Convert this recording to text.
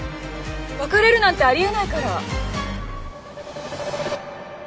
別れるなんてありえないから。